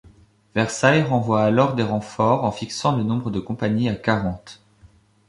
Versailles renvoie alors des renforts en fixant le nombre de compagnies à quarante.